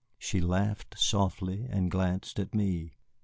She laughed softly and glanced at me.